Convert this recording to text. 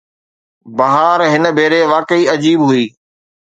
بهار هن ڀيري واقعي عجيب هئي.